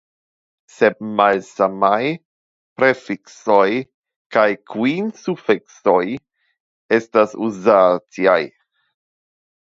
Sep malsamaj prefiksoj kaj kvin sufiksoj estas uzataj.